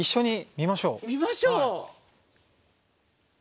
見ましょう！